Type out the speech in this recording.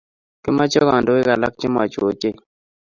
Kimache kandoik alak che machuu ochei